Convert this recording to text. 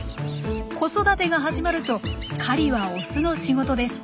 子育てが始まると狩りはオスの仕事です。